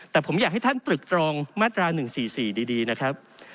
แต่ผมอยากให้ท่านตรึกตรองมาตรา๑๔๔ดีนะครับ